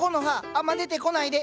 あんま出てこないで！